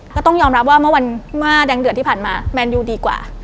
ก็ต้องยอมรับว่าเมื่อวันเมื่อแดงเดือดที่ผ่านมาแมนยูดีกว่า